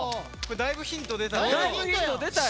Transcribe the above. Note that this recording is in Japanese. だいぶヒントやん。